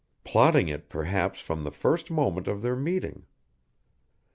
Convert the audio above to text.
Plotting it perhaps from the first moment of their meeting.